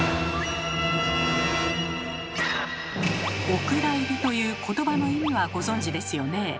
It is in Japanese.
「お蔵入り」という言葉の意味はご存じですよね。